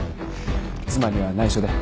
妻には内緒で。